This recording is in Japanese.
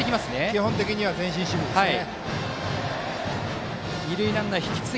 基本的には前進守備ですね。